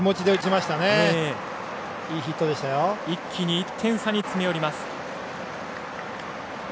一気に１点差に詰め寄ります。